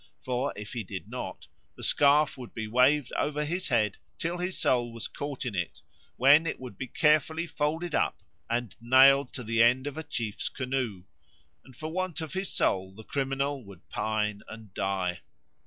For if he did not, the scarf would be waved over his head till his soul was caught in it, when it would be carefully folded up and nailed to the end of a chief's canoe; and for want of his soul the criminal would pine and die.